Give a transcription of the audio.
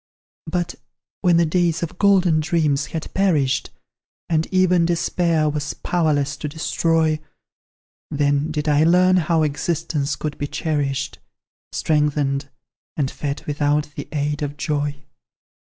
But, when the days of golden dreams had perished, And even Despair was powerless to destroy; Then did I learn how existence could be cherished, Strengthened, and fed without the aid of joy.